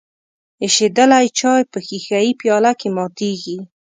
ایشیدلی چای په ښیښه یي پیاله کې ماتیږي.